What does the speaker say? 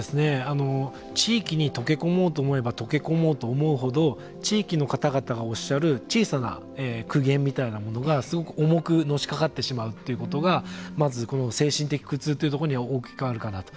地域に溶け込もうと思えば溶け込もうと思うほど地域の方々がおっしゃる小さな苦言みたいなものがすごく重くのしかかってしまうということがまずこの精神的な苦痛というところに大きく関わるかなと。